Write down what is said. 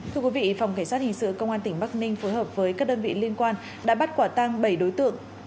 thưa quý vị phòng cảnh sát hình sự công an tỉnh bắc ninh phối hợp với các đơn vị liên quan đã bắt quả tăng bảy đối tượng